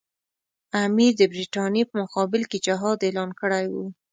امیر د برټانیې په مقابل کې جهاد اعلان کړی وو.